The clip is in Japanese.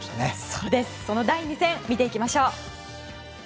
その第２戦見ていきましょう。